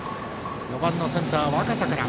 ４番のセンター若狭から。